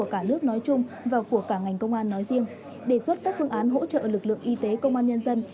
công an nhân dân đã đề xuất các phương án hỗ trợ lực lượng y tế công an nhân dân